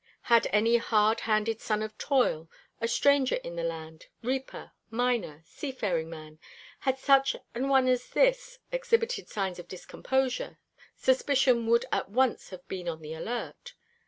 Had any hard handed son of toil, a stranger in the land, reaper, miner, seafaring man had such an one as this exhibited signs of discomposure, suspicion would at once have been on the alert.